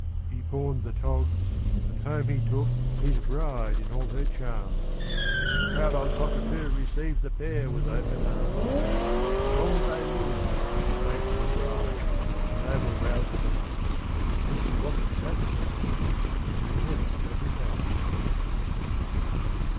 He pawned the togs, and home he took His bride in all her charms; The proud old cockatoo received The pair with open arms. And long they lived, the faithful bride, The noble rouseabout And if she wasn't satisfied She never let it out.